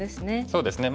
そうですね。